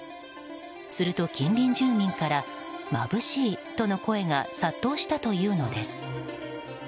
すると、近隣住民から眩しいとの声が殺到したというのです。